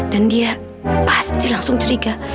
dan dia pasti langsung ceriga